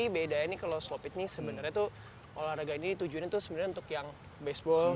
beda ini kalau slow pitch ini sebenarnya tuh olahraga ini tujuannya tuh sebenarnya untuk yang baseball